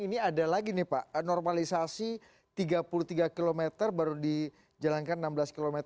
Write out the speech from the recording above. ini ada lagi nih pak normalisasi tiga puluh tiga km baru dijalankan enam belas km